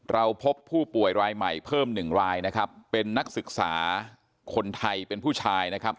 เราพบผู้ป่วยรายใหม่เพิ่มหนึ่งรายนะครับเป็นนักศึกษาคนไทยเป็นผู้ชายนะครับ